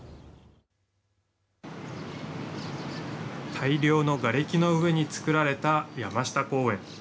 大量のがれきの上に造られた山下公園。